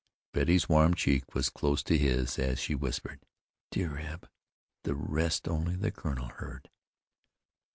Betty's warm cheek was close to his as she whispered: "Dear Eb!" The rest only the colonel heard.